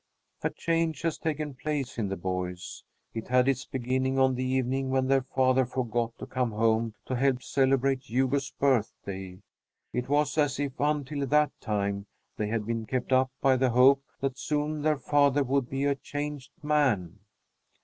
A change has taken place in the boys. It had its beginning on the evening when their father forgot to come home to help celebrate Hugo's birthday. It was as if until that time they had been kept up by the hope that soon their father would be a changed man.